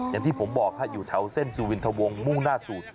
อย่างที่ผมบอกอยู่แถวเส้นสุวินทะวงมุ่งหน้าสูตร